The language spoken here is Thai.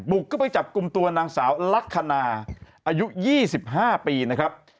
เข้าไปจับกลุ่มตัวนางสาวลักษณะอายุ๒๕ปีนะครับ